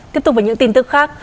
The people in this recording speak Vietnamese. tiếp tục với những tin tức khác